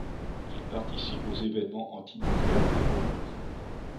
Il participe aux évènements antinucléaires de Plogoff.